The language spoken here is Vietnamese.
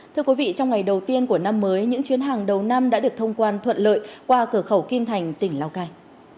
thưa quý vị trong ngày đầu tiên của năm mới những chuyến hàng đầu năm đã được thông quan thuận lợi qua cửa khẩu kim thành tỉnh lào cai